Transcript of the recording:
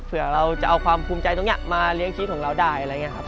เผื่อเราจะเอาความภูมิใจตรงนี้มาเลี้ยงชีวิตของเราได้อะไรอย่างนี้ครับ